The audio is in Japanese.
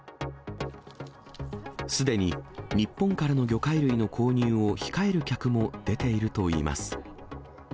すでに日本からの魚介類の購入を控える客も出ているといいます。